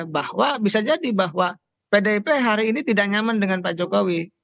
bahwa bisa jadi bahwa pdip hari ini tidak nyaman dengan pak jokowi